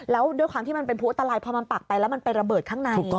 แล้วด้วยความที่มันเป็นผู้ไตล่เบิภกองใน